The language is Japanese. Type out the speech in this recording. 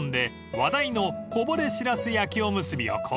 話題のこぼれしらす焼きおむすびを購入］